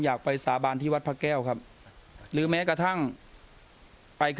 ทุกคนต้องทำเหมือนกันกับผมครับเพื่อยินยันความบริสุทธิ์ครับ